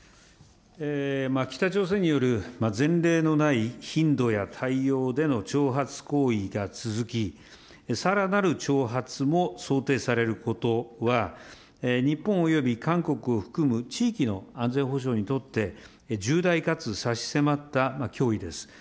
北朝鮮による前例のない頻度や対応での挑発行為が続き、さらなる挑発も想定されることは、日本および韓国を含む地域の安全保障にとって、重大かつ差し迫った脅威です。